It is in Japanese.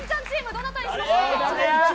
どなたにしましょうか。